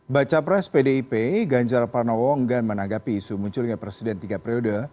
baca pres pdip ganjar pranowo enggan menanggapi isu munculnya presiden tiga periode